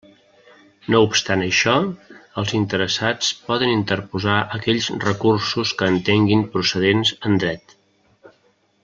No obstant això, els interessats poden interposar aquells recursos que entenguin procedents en Dret.